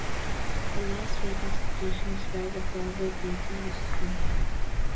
The Las Vegas location is where the Broadway Theatre used to be.